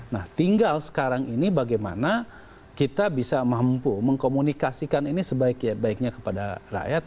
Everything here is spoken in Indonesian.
nah tinggal sekarang ini bagaimana kita bisa mampu mengkomunikasikan ini sebaik baiknya kepada rakyat